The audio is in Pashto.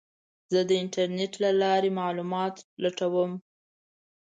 زه د انټرنیټ له لارې معلومات لټوم.